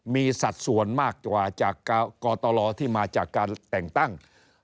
มีสัดส่วนมากกว่าจากกตลที่มาจากการแต่งตั้ง